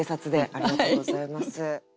ありがとうございます。